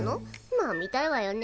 まあ見たいわよね。